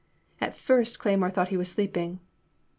At first Cleymore thought he was sleeping.